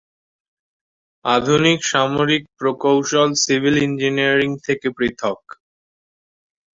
আধুনিক সামরিক প্রকৌশল সিভিল ইঞ্জিনিয়ারিং থেকে পৃথক।